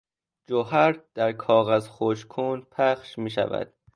جوهر در کاغذ خشککن پخش میشود.